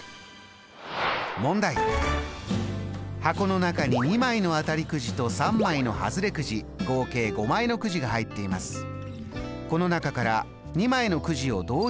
箱の中に２枚の当たりくじと３枚のハズレくじ合計５枚のくじが入っています。